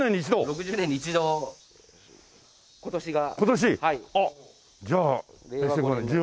６０年に一度が。